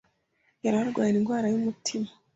yari arwaye indwara y’umutima